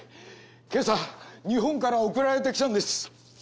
今朝日本から送られてきたんです